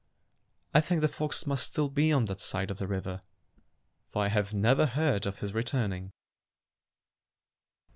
I think the fox must still be on that side of the river, for I have never heard of his returning.